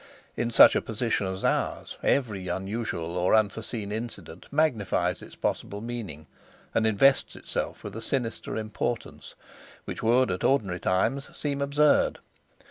In such a position as ours, every unusual or unforeseen incident magnifies its possible meaning, and invests itself with a sinister importance which would at ordinary times seem absurd.